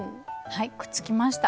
はいくっつきました。